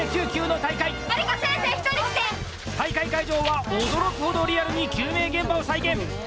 大会会場は、驚くほどリアルに救命現場を再現。